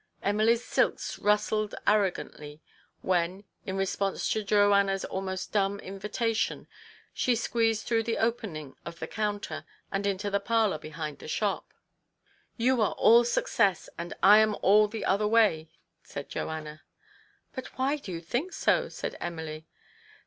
Emily's silks rustled arrogantly when, in re sponse to Joanna's almost dumb invitation, she squeezed through the opening of the counter and into the parlour behind the shop. " You are all success, and I am all the other way !" said Joanna. " But why do you think so ?" said Emily.